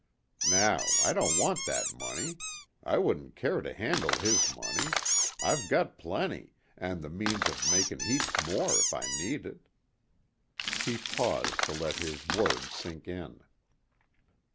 Now I don't want that money. I wouldn't care to handle his money. I've got plenty, and the means of making heaps more if I need it." He paused to let his words sink in.